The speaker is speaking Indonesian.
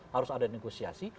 harus ada negosiasi